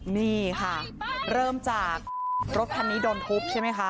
นี่ค่ะเริ่มจากรถคันนี้โดนทุบใช่ไหมคะ